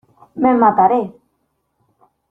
¡ me mataré!...